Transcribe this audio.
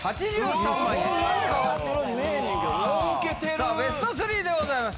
さあベスト３でございます。